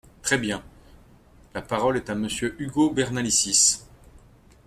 Très bien ! La parole est à Monsieur Ugo Bernalicis.